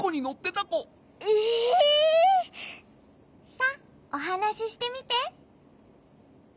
さあおはなししてみて。